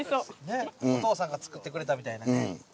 ねえお父さんが作ってくれたみたいなね。